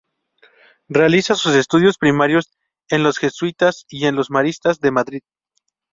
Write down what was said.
Realiza sus estudios primarios en los jesuitas y en los maristas, de Madrid.